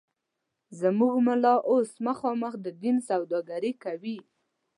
زموږ ملا اوس مخامخ د دین سوداگري کوي